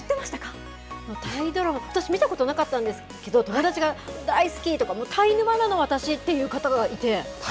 タイドラマ、私、見たことなかったんですけど、友達が大好きとか、タイ沼なの、私っていう方がいて。